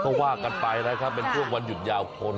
ก็ว่ากันไปนะครับเป็นช่วงวันหยุดยาวคน